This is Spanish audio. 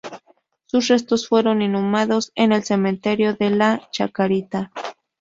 Sus restos fueron inhumados en el cementerio de la Chacarita.